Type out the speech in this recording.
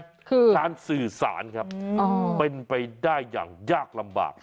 คือการสื่อสารครับเป็นไปได้อย่างยากลำบาก